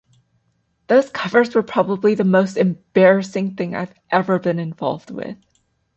Those covers were probably the most embarrassing thing I've ever been involved with.